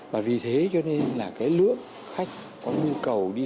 và vì thế cho nên là cái lượng khách có nhu cầu đi lại